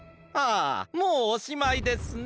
あもうおしまいですね。